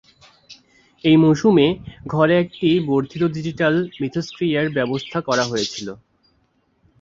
এই মৌসুমে, ঘরে একটি বর্ধিত ডিজিটাল মিথস্ক্রিয়ার ব্যবস্থা করা হয়েছিল।